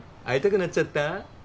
会いたくなっちゃった？